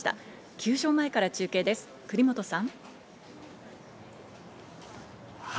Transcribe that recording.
球場前から中継です、栗本さん。